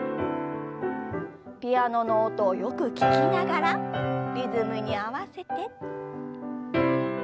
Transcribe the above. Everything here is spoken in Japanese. ピアノの音をよく聞きながらリズムに合わせて。